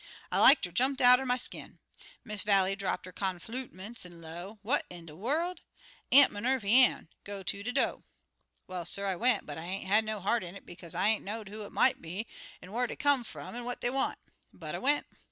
I like ter jumped out'n my skin. Miss Vallie drapped her conflutements an' low, 'What in de worl'! Aunt Minervy Ann, go ter de do.' "Well, suh, I went, but I ain't had no heart in it, bekaze I ain't know who it mought be, an' whar dey come fum, an' what dey want. But I went.